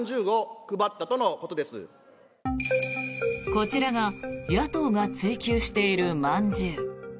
こちらが野党が追及しているまんじゅう。